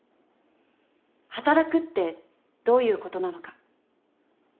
働くってどういうことなのか。